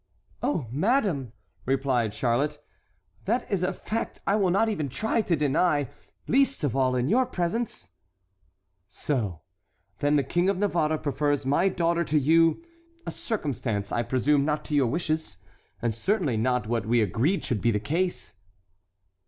"Oh, madame," replied Charlotte, "that is a fact I will not even try to deny—least of all in your presence." "So, then, the King of Navarre prefers my daughter to you; a circumstance, I presume, not to your wishes, and certainly not what we agreed should be the case."